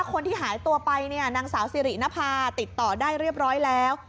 คนที่หายตัวไปเนี่ยนางสาวสิรินภาติดต่อได้เรียบร้อยแล้ว